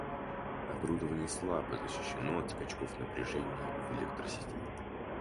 Оборудование слабо защищено от «скачков» напряжения в электросети